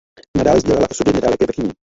Nadále sdílela osudy nedaleké Bechyně.